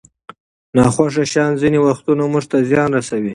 ناخوښه شیان ځینې وختونه موږ ته زیان رسوي.